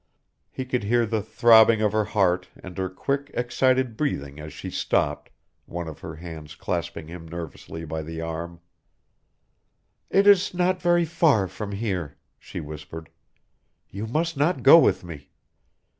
He could hear the throbbing of her heart and her quick, excited breathing as she stopped, one of her hands clasping him nervously by the arm. "It is not very far from here," she whispered "You must not go with me.